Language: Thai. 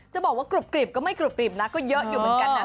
จะบอกว่ากรุบกริบก็ไม่กรุบกริบนะก็เยอะอยู่เหมือนกันนะ